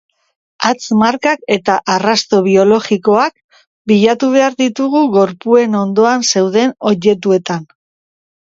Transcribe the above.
Hatz markak eta arrasto biologikoak bilatu behar ditugu gorpuen ondoan zeuden objektuetan.